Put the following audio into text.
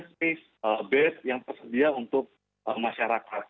space bed yang tersedia untuk masyarakat